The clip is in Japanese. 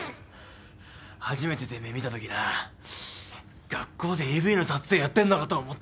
初めててめえ見たときな学校でＡＶの撮影やってんのかと思ったわ。